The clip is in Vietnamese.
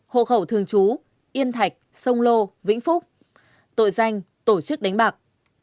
hộ khẩu thường trú yên thạch sông lô vĩnh phúc tội danh tổ chức đánh bạc